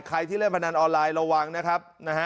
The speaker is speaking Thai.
ที่เล่นพนันออนไลน์ระวังนะครับนะฮะ